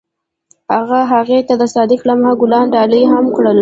هغه هغې ته د صادق لمحه ګلان ډالۍ هم کړل.